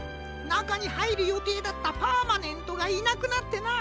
なかにはいるよていだったパーマネントがいなくなってな。